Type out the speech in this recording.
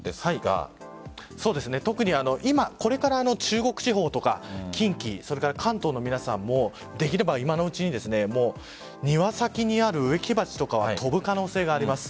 特に今これから中国地方とか近畿関東の皆さんもできれば今のうちに庭先にある植木鉢とかは飛ぶ可能性があります。